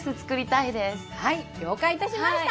はい了解いたしました！